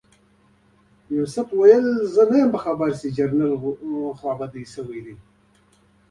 یوسف وویل چې زه خبر نه یم او جنرال په غوسه شو.